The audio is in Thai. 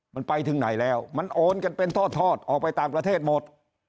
มันไปถึงไหนแล้วมันโอนกันเป็นทอดออกไปต่างประเทศหมด